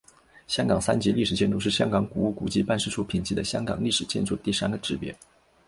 香港三级历史建筑是香港古物古迹办事处评级的香港历史建筑的第三个级别。